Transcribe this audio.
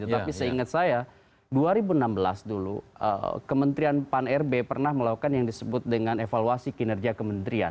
tetapi seingat saya dua ribu enam belas dulu kementerian pan rb pernah melakukan yang disebut dengan evaluasi kinerja kementerian